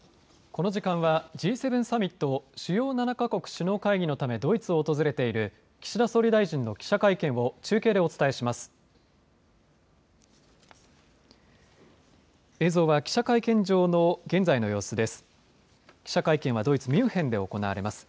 この時間はＧ７サミット＝主要７か国首脳会議のためドイツを訪れている岸田総理大臣の記者会見を中継でお伝えします。